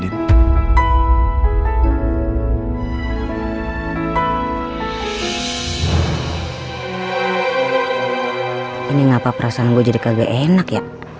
ini kenapa perasaan gue jadi kagak enak ya